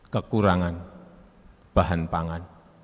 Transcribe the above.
kekurangan bahan pangan